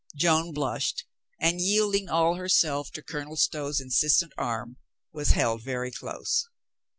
Joan blushed, and, yielding all herself to Colonel Stow's insistent arm, was held very close.